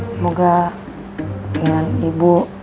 semoga dengan ibu